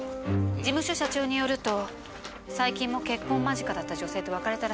事務所社長によると最近も結婚間近だった女性と別れたらしいという話です。